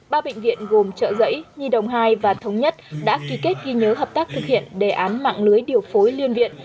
ba bệnh viện gồm trợ giấy nhi đồng hai và thống nhất đã ký kết ghi nhớ hợp tác thực hiện đề án mạng lưới điều phối liên viện